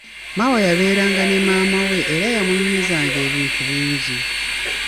Maawa yabeeranga ne maama we era yamunyumizanga ebintu bingi.